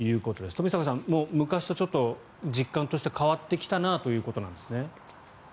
冨坂さん、昔とちょっと実感として変わってきたなということなんですね。